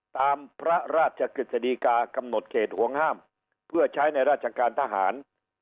ตามพระราชกฤษฎีกากำหนดเขตห่วงห้ามเพื่อใช้ในราชการทหาร